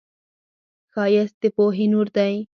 ښایست د پوهې نور دی